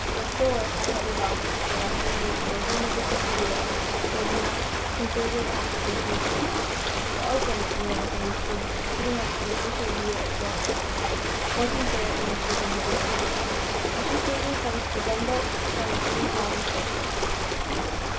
The "Thor" had headed off, after watching the explosion of the torpedo, and was now considerably off the "Hastings's" port beam. The "Oakland," on the other hand, was heading up for an official view of what wasn't there in the shape of a derelict. As she came in close the gunboat sounded three long, hoarse whistles.